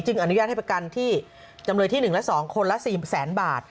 อนุญาตให้ประกันที่จำเลยที่๑และ๒คนละ๔๐๐๐บาท